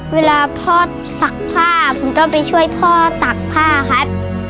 เวลาพ่อตักผ้าผมก็ไปช่วยพ่อตักผ้าครับ